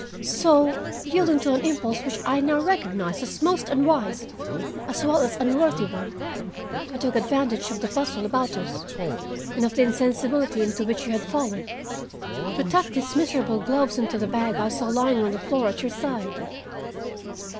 So, yielding to an impulse which I now recognize as a most unwise, as well as unworthy one, I took advantage of the bustle about us, and of the insensibility into which you had fallen, to tuck these miserable gloves into the bag I saw lying on the floor at your side.